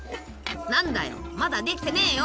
何だよまだできてねぇよ。